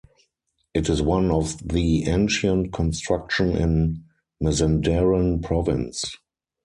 It is one of the ancient construction in Mazandaran Province.